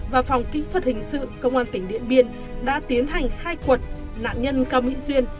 và phòng kỹ thuật hình sự công an tỉnh điện biên đã tiến hành khai quật nạn nhân cao mỹ duyên